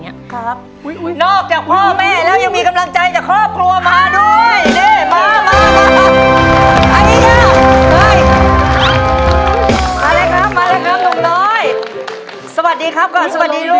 เพลงโปส